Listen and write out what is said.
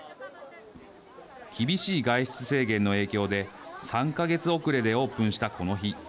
厳しい外出制限の影響で３か月遅れでオープンしたこの日。